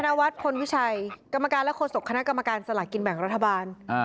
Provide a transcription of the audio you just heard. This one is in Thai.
คุณธนวัฒน์พลวิชัยกรรมการและคนศพคณะกรรมการสลักกินแบ่งรัฐบาล